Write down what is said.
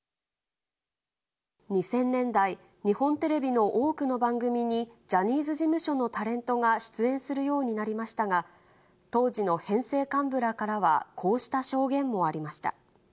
２０００年代、日本テレビの多くの番組にジャニーズ事務所のタレントが出演するようになりましたが、当時の編成幹部らからは、こうした証言もありました。